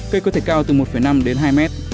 cây có thể cao từ một năm đến hai mét